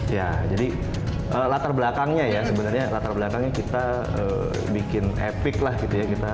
ya jadi latar belakangnya ya sebenarnya latar belakangnya kita bikin epic lah gitu ya